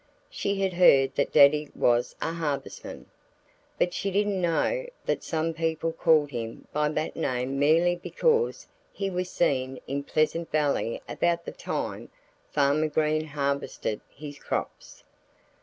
She had heard that Daddy was a harvestman. But she didn't know that some people called him by that name merely because he was seen in Pleasant Valley about the time Farmer Green harvested his crops.